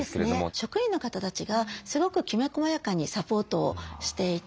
職員の方たちがすごくきめこまやかにサポートをしていて。